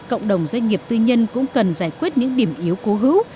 cộng đồng doanh nghiệp tư nhân cũng cần giải quyết những điểm yếu cố hữu